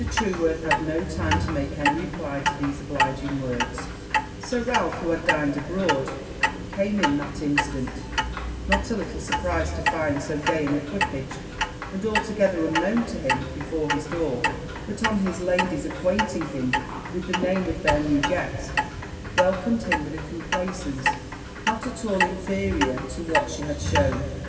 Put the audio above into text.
Trueworth had no time to make any reply to these obliging words; Sir Ralph, who had dined abroad, came in that instant, not a little surprized to find so gay an equipage, and altogether unknown to him, before his door; but on his lady's acquainting him with the name of their new guest, welcomed him with a complaisance not at all inferior to what she had shewn.